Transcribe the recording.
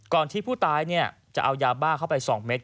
ก่อนที่ผู้ตายเนี่ยจะเอายาบ้าเข้าไป๒เมตร